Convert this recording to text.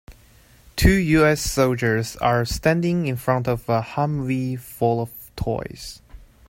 Two US soldiers are standing in front of a Humvee full of toys.